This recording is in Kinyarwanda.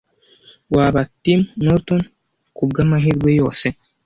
Waba Tim Norton kubwamahirwe yose?